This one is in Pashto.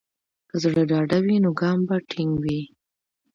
که زړه ډاډه وي، نو ګام به ټینګ وي.